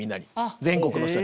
全国の人に。